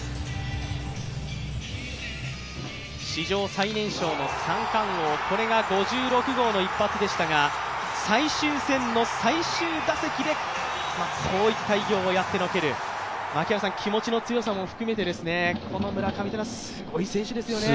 史上最年少の三冠王これが５６号の一発でしたが最終戦の最終打席でこういった偉業をやってのける気持ちの強さも含めて村上というのはすごい選手ですよね。